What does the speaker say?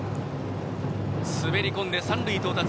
滑り込んで、三塁到達。